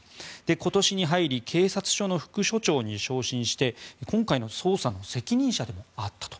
今年に入り警察署の副署長に昇進して今回の捜査の責任者でもあったと。